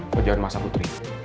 lo jangan masak putri